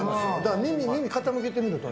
耳傾けてみるとね。